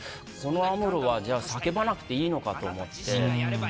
アムロ、じゃあ叫ばなくていいのかと思って。